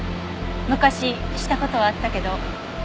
昔した事はあったけど。